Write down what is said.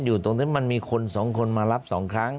อยู่ตรงนี้มันมีคน๒คนมารับ๒ครั้ง